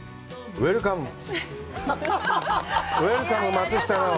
ウエルカム松下奈緒。